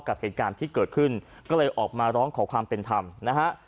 กับเหตุการณ์ที่เกิดขึ้นก็เลยออกมาร้องขอความเป็นธรรมนะฮะ